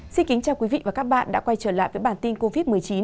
xin kính chào quý vị và các bạn đã quay trở lại với bản tin covid một mươi chín